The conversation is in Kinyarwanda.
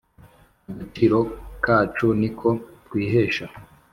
Agaciro kacu niko twihesha